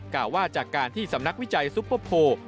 กล่าวว่าจากการที่สำนักวิจัยซุปเปอร์โพล